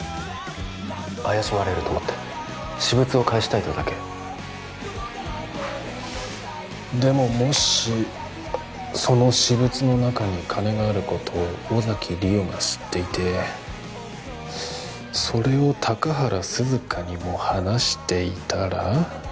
怪しまれると思って「私物を返したい」とだけでももしその私物の中に金があることを尾崎莉桜が知っていてそれを高原涼香にも話していたら？